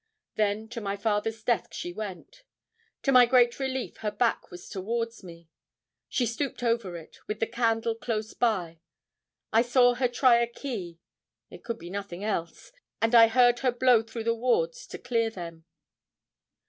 Then to my father's desk she went. To my great relief, her back was towards me. She stooped over it, with the candle close by; I saw her try a key it could be nothing else and I heard her blow through the wards to clear them.